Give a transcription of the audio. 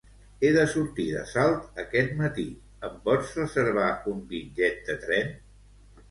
He de sortir de Salt aquest matí, em pots reservar un bitllet de tren?